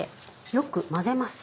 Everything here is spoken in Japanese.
よく混ぜます。